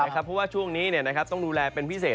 เพราะว่าช่วงนี้เนี่ยนะครับต้องดูแลเป็นพิเศษ